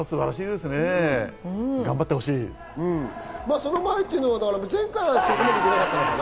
その前というのは、前回はそこまで行けなかったかな。